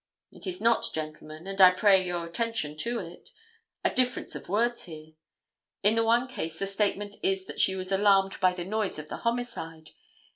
It is not, gentlemen, and I pray your attention to it, a difference of words here. In the one case the statement is that she was alarmed by the noise of the homicide.